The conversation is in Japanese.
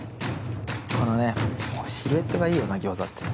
このねシルエットがいいよな餃子って。